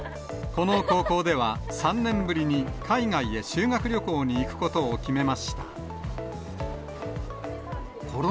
この高校では、３年ぶりに海外へ修学旅行に行くことを決めました。